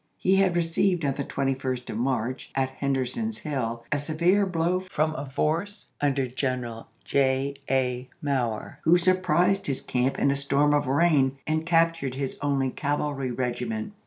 He had received on the 21st of March, at Henderson's Hill, a severe blow from a force under General J. A. Mower who sur prised his camp in a storm of rain and captured his only cavalry regiment.